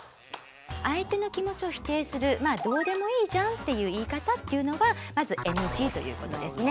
相手の気持ちを否定する「どうでもいいじゃん」っていう言い方っていうのはまずＮＧということですね。